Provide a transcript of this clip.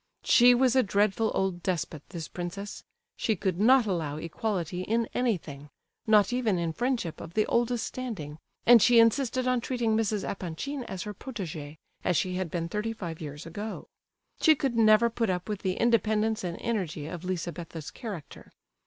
She was a dreadful old despot, this princess; she could not allow equality in anything, not even in friendship of the oldest standing, and she insisted on treating Mrs. Epanchin as her protégée, as she had been thirty five years ago. She could never put up with the independence and energy of Lizabetha's character.